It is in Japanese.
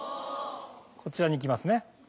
こちらにいきますね。